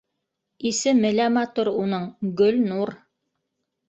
Исеме лә матур уның - Гөлнур.